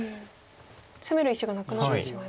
攻める石がなくなってしまいますか。